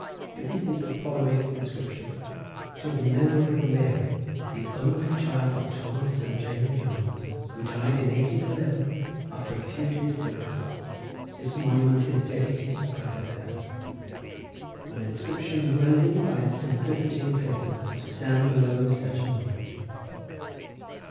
Beneath is the following inscription:— To the Memory of Mary The only child of Thomas and Jane Johnes Who died in 1811 After a few days' sickness This monument is dedicated By her parents. An inscription worthy, by its simplicity and pathos, to stand below such a monument.